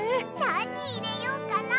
なにいれようかな？